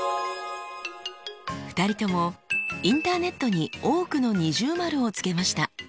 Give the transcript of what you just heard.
２人ともインターネットに多くの◎をつけました。